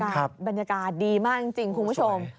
โอ้โหอากาศบรรยากาศดีมากจริงคุณผู้ชม